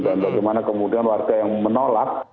dan bagaimana kemudian warga yang menolak